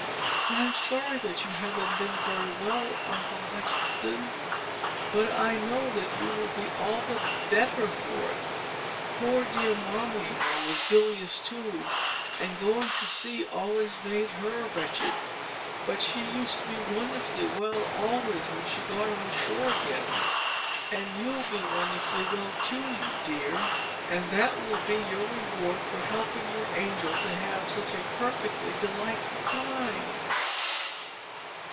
I'm sorry that you haven't been very well, Uncle Hutchinson; but I know that you will be all the better for it. Poor dear mamma, you know, was bilious too, and going to sea always made her wretched; but she used to be wonderfully well always when she got on shore again. And you'll be wonderfully well too, you dear; and that will be your reward for helping your angel to have such a perfectly delightful time."